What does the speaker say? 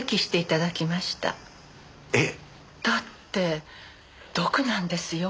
えっ？だって毒なんですよ。